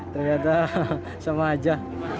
ternyata sama aja